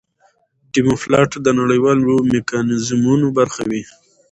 ډيپلومات د نړېوالو میکانیزمونو برخه وي.